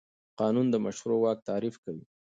قانون د مشروع واک تعریف کوي.